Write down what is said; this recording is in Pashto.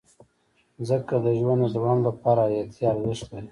مځکه د ژوند د دوام لپاره حیاتي ارزښت لري.